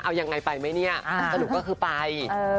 อยากยังไงไปไหมเนี่ยก็เลยคือไป